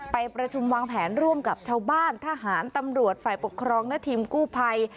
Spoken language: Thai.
ไปประชุมวางแผนร่วมกับชาวบ้านทหารตำรวจฝ่ายปกครองและทีมกู้ภัย